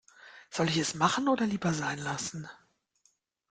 Soll ich es machen oder lieber sein lassen?